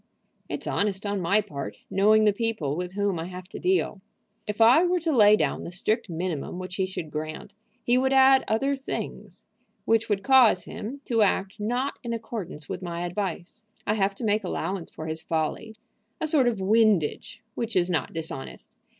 "It's honest on my part, knowing the people with whom I have to deal. If I were to lay down the strict minimum which he should grant, he would add other things which would cause him to act not in accordance with my advice. I have to make allowance for his folly, a sort of windage, which is not dishonest.